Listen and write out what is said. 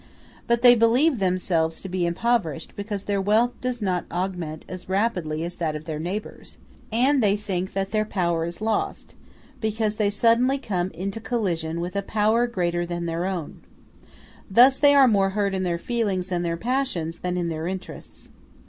*r But they believe themselves to be impoverished because their wealth does not augment as rapidly as that of their neighbors; any they think that their power is lost, because they suddenly come into collision with a power greater than their own: *s thus they are more hurt in their feelings and their passions than in their interests.